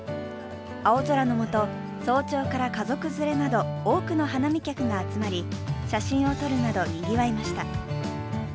青空のもと、早朝から家族連れなど多くの花見客が集まり写真を撮るなどにぎわいました。